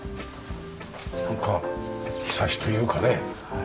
なんかひさしというかね。